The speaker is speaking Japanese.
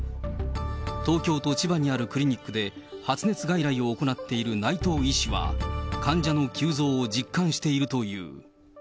東京と千葉にあるクリニックで発熱外来を行っている内藤医師は、患者の急増を実感しているという。